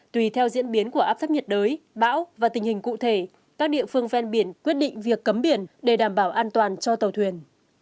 tùy theo diễn biến của áp thấp nhiệt đới bão và tình hình cụ thể các địa phương ven biển quyết định việc cấm biển để đảm bảo an toàn cho tàu thuyền